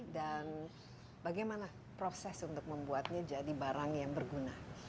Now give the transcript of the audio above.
dan bagaimana proses untuk membuatnya jadi barang yang berguna